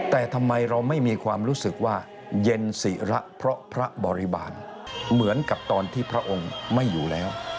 แต่ทำไมเราไม่มีความรู้สึกว่าเย็นศิระเพราะพระบริบาลเหมือนกับตอนที่พระองค์ไม่อยู่แล้ว